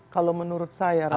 kalau menurut saya rano